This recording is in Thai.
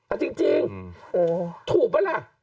เอาจริงถูกปะล่ะ